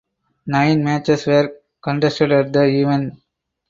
Nine matches were contested at the event.